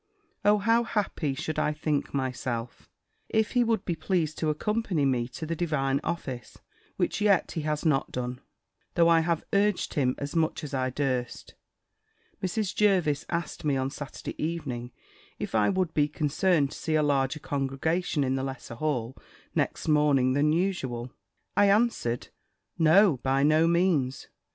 O how happy should I think myself, if he would be pleased to accompany me to the divine office, which yet he has not done, though I have urged him as much as I durst. Mrs. Jervis asked me on Saturday evening, if I would be concerned to see a larger congregation in the lesser hall next morning than usual? I answered, "No, by no means."